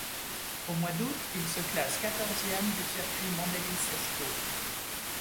Au mois d'août, il se classe quatorzième du Circuit Mandel-Lys-Escaut.